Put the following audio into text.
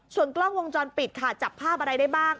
ส่วนกล้องวงจรปิดค่ะจับภาพอะไรได้บ้าง